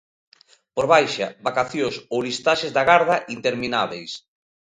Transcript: Por baixa, vacacións ou listaxes de agarda interminábeis.